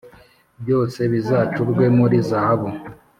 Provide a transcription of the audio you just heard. Byose bizacurwe muri zahabu